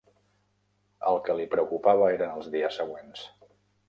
El que li preocupava eren els dies següents.